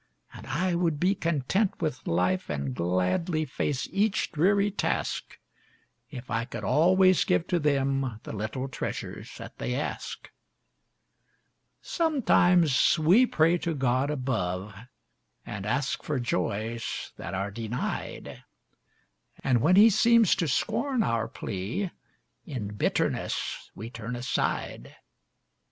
And I would be content with life and gladly face each dreary task, If I could always give to them the little treasures that they ask. [Illustration: "Denial" From a painting by F. C. YOHN.] Sometimes we pray to God above and ask for joys that are denied, And when He seems to scorn our plea, in bitterness we turn aside.